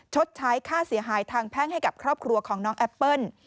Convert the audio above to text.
ชดใช้ค่าเสียหายทางแพ่งให้กับครอบครัวของน้องแอปเปิ้ล